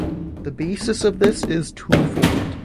The basis of this is two-fold.